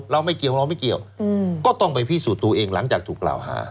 ไม่เกี่ยวเราไม่เกี่ยวก็ต้องไปพิสูจน์ตัวเองหลังจากถูกกล่าวหา